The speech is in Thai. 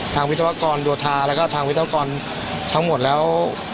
ทางวิทยาวกรโดทาแล้วก็ทางวิทยากรทั้งหมดแล้ว